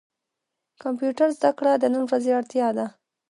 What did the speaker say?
کمپيوټر زده کړه د نن ورځي اړتيا ده.